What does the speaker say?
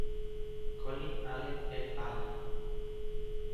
Colin Allen et al.